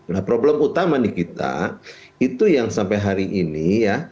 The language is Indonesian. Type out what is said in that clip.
nah problem utama di kita itu yang sampai hari ini ya